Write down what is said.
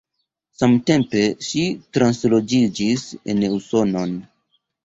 Samtempe ŝi transloĝiĝis en Usonon.